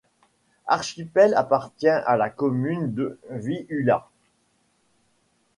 L'archipel appartient à la commune de Vihula.